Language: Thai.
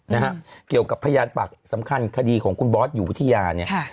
นะฮะเกี่ยวกับพยานปากสำคัญคดีของคุณบอสอยู่วิทยาเนี่ยค่ะ